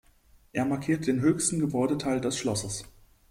Er markiert den höchsten Gebäudeteil des Schlosses.